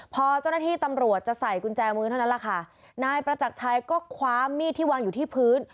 พอเจ้าหน้าที่ตำรวจจะใส่กุญแจมือเท่านั้นแหละค่ะนายประจักรชัยก็คว้ามีดที่วางอยู่ที่พื้น